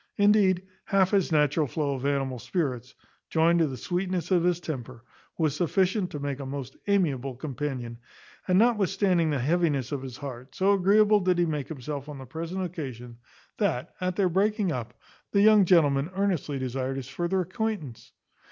Indeed, half his natural flow of animal spirits, joined to the sweetness of his temper, was sufficient to make a most amiable companion; and notwithstanding the heaviness of his heart, so agreeable did he make himself on the present occasion, that, at their breaking up, the young gentleman earnestly desired his further acquaintance.